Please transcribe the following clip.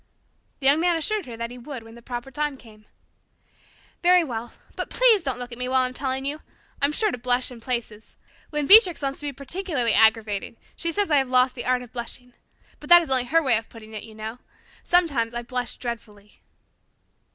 The Young Man assured her that he would when the proper time came. "Very well. But please don't look at me while I'm telling you. I'll be sure to blush in places. When Beatrix wants to be particularly aggravating she says I have lost the art of blushing. But that is only her way of putting it, you know. Sometimes I blush dreadfully."